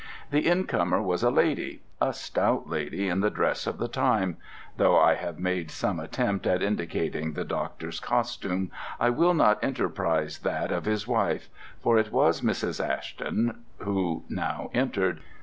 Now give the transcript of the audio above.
The incomer was a lady a stout lady in the dress of the time: though I have made some attempt at indicating the doctor's costume, I will not enterprise that of his wife for it was Mrs. Ashton who now entered.